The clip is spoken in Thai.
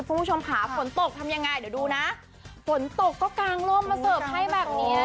คุณผู้ชมค่ะฝนตกทำยังไงเดี๋ยวดูนะฝนตกก็กางร่มมาเสิร์ฟให้แบบเนี้ย